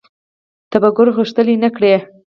تفکر غښتلی نه کړي